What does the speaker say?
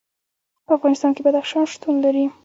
په افغانستان کې بدخشان شتون لري.